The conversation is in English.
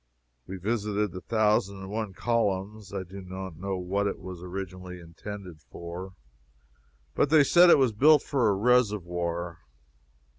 We visited the Thousand and One Columns. I do not know what it was originally intended for, but they said it was built for a reservoir.